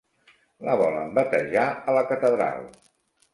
La volen batejar a la catedral.